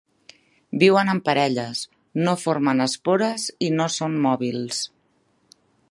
Viuen en parelles, no formen espores i no són mòbils.